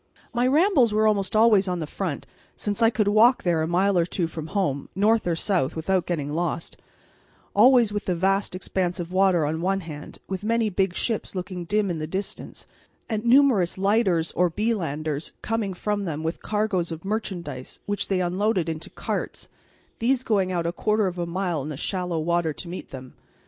My rambles were almost always on the front, since I could walk there a mile or two from home, north or south, without getting lost, always with the vast expanse of water on one hand, with many big ships looking dim in the distance, and numerous lighters or belanders coming from them with cargoes of merchandise which they unloaded into carts, these going out a quarter of a mile in the shallow water to meet them.